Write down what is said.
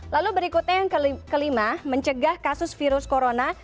lalu berikutnya yang kelima mencegah kasus virus corona